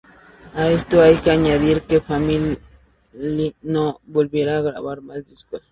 A esto hay que añadir que Family no volvieron a grabar más discos.